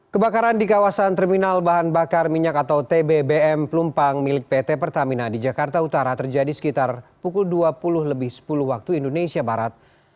kebakaran di kawasan terminal bahan bakar minyak atau tbbm pelumpang milik pt pertamina di jakarta utara terjadi sekitar pukul dua puluh lebih sepuluh waktu indonesia barat